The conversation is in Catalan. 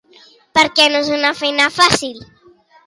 Per què no és una feina fàcil?